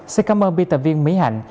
xin cảm ơn biên tập viên mỹ hạnh